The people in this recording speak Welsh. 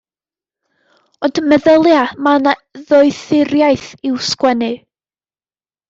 Ond meddylia mae 'na ddoethuriaeth i'w sgwennu.